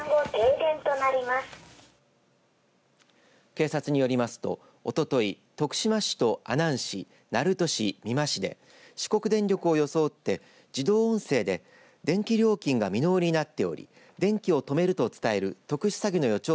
警察によりますとおととい徳島市と阿南市鳴門市、美馬市で四国電力を装って自動音声で電気料金が未納になっており電気を止めると伝える特殊詐欺の予兆